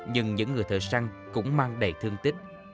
nhưng những người thợ săn cũng mang đầy thương tích